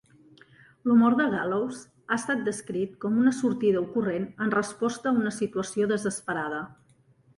L'humor de Gallows ha estat descrit com una sortida ocurrent en resposta a una situació desesperada.